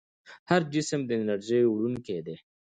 هر جسم د انرژۍ وړونکی دی.